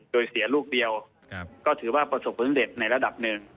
โดยเสียลูกเดียวครับก็ถือว่าประสบผลเล็กในระดับหนึ่ง